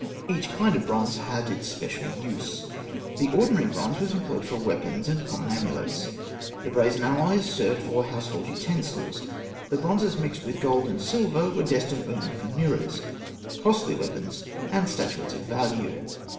Each kind of bronze had its special use. The ordinary bronze was employed for weapons and common amulets; the brazen alloys served for household utensils; the bronzes mixed with gold and silver were destined only for mirrors, costly weapons, and statuettes of value.